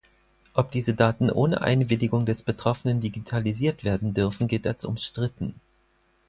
Ob diese Daten ohne Einwilligung des Betroffenen digitalisiert werden dürfen, gilt als umstritten.